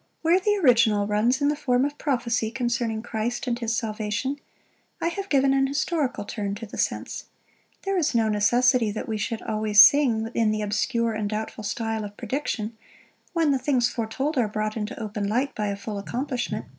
"Where the original runs in the form of prophecy concerning Christ and his salvation, I have given an historical turn to the sense: there is no necessity that we should always sing in the obscure and doubtful style of prediction, when the things foretold are brought into open light by a full accomplishment.